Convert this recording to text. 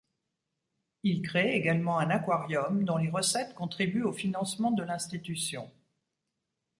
Il crée également un aquarium dont les recettes contribuent au financement de l'institution.